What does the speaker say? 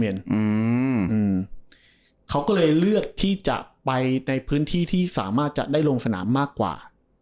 อืมเขาก็เลยเลือกที่จะไปในพื้นที่ที่สามารถจะได้ลงสนามมากกว่า